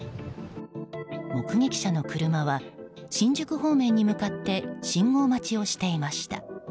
目撃者の車は新宿方面に向かって信号待ちをしていました。